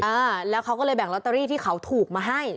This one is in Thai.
อ่าแล้วเขาก็เลยแบ่งลอตเตอรี่ที่เขาถูกมาให้